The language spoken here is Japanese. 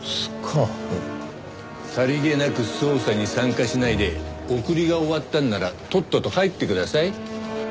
さりげなく捜査に参加しないで送りが終わったんならとっとと帰ってください。